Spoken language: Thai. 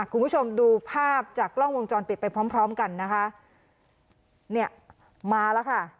คุณผู้ชมดูภาพจากกล้องวงจรปิดไปพร้อมพร้อมกันนะคะเนี่ยมาแล้วค่ะ